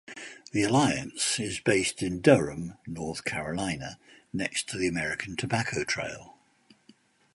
The Alliance is based in Durham, North Carolina, next to the American Tobacco Trail.